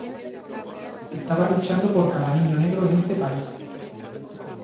Estaba luchando por cada niño negro en este país.